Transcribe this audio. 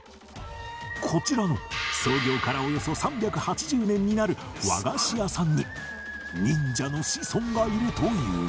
こちらの創業からおよそ３８０年になる和菓子屋さんに忍者の子孫がいるという